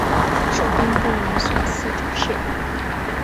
授兵部武选司主事。